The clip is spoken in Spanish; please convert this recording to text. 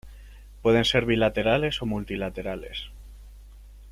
Pueden ser bilaterales o multilaterales.